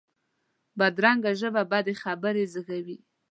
بدرنګه ژبه بدې خبرې زېږوي